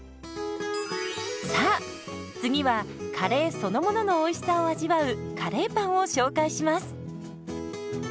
さあ次はカレーそのもののおいしさを味わうカレーパンを紹介します。